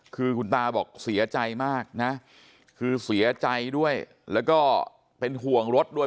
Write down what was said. คือคุณตาบอกเสียใจมากนะคือเสียใจด้วยแล้วก็เป็นห่วงรถด้วย